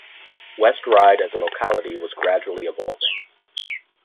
West Ryde as a locality was gradually evolving.